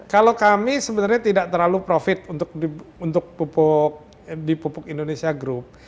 kalau kami sebenarnya tidak terlalu profit untuk di pupuk indonesia group